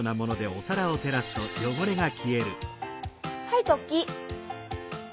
はいトッキー。